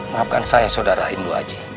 maafkan saya saudara indu aji